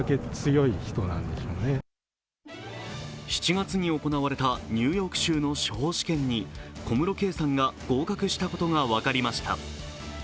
７月に行われたニューヨーク州の司法試験に小室圭さんが合格したことが分かりました。